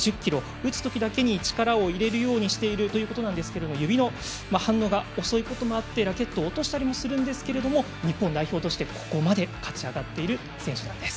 打つときだけ力を入れるようにしているということなんですが指の反応が遅いこともあってラケットを落としたりすることもあるんですが日本代表としてここまで勝ち上がっている選手なんです。